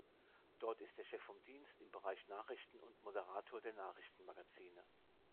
Dort ist er Chef vom Dienst im Bereich Nachrichten und Moderator der Nachrichtenmagazine.